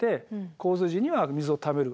洪水時には水をためる。